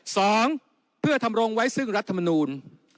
สองเพื่อทำรงไว้ซึ่งรัฐมนูล